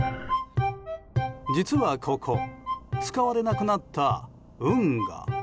実はここ使われなくなった運河。